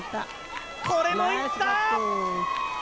これもいった！